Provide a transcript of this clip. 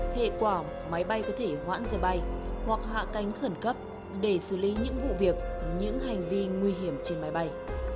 hệ quả máy bay có thể hoãn giờ bay hoặc hạ cánh khẩn cấp để xử lý những vụ việc những hành vi nguy hiểm trên máy bay